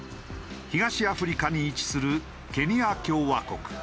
東アフリカに位置するケニア共和国。